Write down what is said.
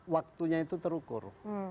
waktunya itu terukur